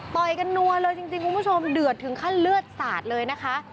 ต่อยกันนัวเลยจริงคุณผู้ชมเดือดถึงขั้นเลือดสาดเลยนะคะ